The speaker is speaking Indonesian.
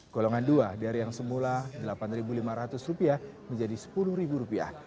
golongan dua dari yang semula delapan lima ratus rupiah menjadi sepuluh rupiah